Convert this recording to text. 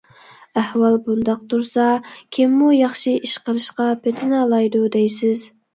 ئەھۋال بۇنداق تۇرسا كىممۇ ياخشى ئىش قىلىشقا پېتىنالايدۇ دەيسىز.